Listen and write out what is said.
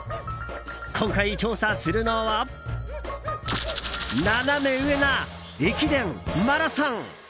今回、調査するのはナナメ上な駅伝・マラソン。